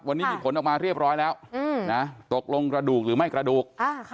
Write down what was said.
วันนี้มีผลออกมาเรียบร้อยแล้วตกลงกระดูกหรือไม่กระดูก